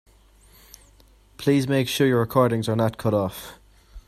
Please make sure your recordings are not cut off.